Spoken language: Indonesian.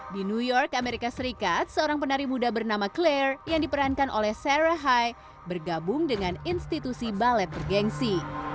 di new york amerika serikat seorang penari muda bernama claire yang diperankan oleh sarah hai bergabung dengan institusi balet bergensi